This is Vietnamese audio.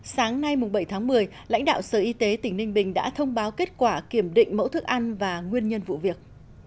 sáng nay bảy tháng một mươi lãnh đạo sở y tế tỉnh ninh bình đã thông báo kết quả kiểm định mẫu thức ăn và nguyên nhân vụ việc